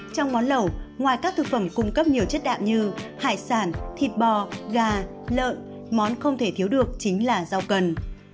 trong món lẩu ngoài các thực phẩm cung cấp nhiều chất đạm như hải sản thịt bò gà lợn món không thể thiếu được chính là rau cần